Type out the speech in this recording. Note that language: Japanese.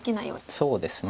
そうですね。